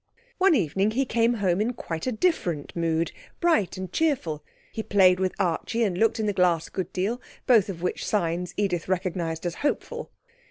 One evening he came home in quite a different mood, bright and cheerful. He played with Archie, and looked in the glass a good deal; both of which signs Edith recognised as hopeful.